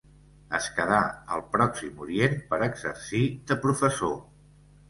Es quedà al Pròxim Orient per exercir de professor.